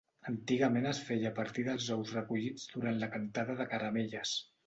Antigament es feia a partir dels ous recollits durant la cantada de caramelles.